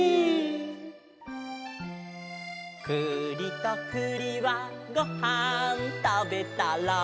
「くりとくりはごはんたべたら」